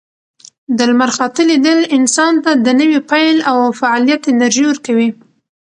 د لمر خاته لیدل انسان ته د نوي پیل او فعالیت انرژي ورکوي.